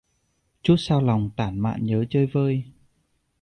Chút xao lòng tản mạn nhớ chơi vơi